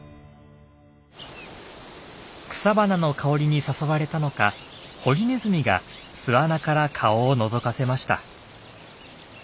草花の香りに誘われたのかホリネズミが巣穴から顔をのぞかせました。